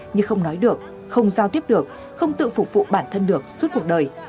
như không nói được không giao tiếp được không tự phục vụ bản thân được suốt cuộc đời